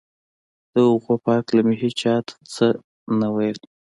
د هغو په هکله مې هېچا ته څه نه ویل